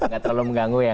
gak terlalu mengganggu ya